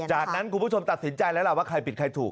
จากนั้นคุณผู้ชมตัดสินใจแล้วล่ะว่าใครผิดใครถูก